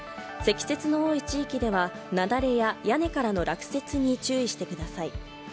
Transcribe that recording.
積雪の多い地域ではなだれや屋根からの落雪に注意してください。